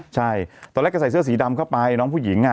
ใช่ตอนแรกก็ใส่เสื้อสีดำเข้าไปน้องผู้หญิง